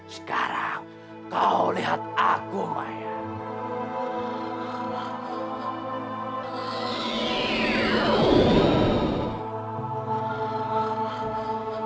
sekarang kau lihat aku main